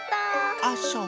あっそう？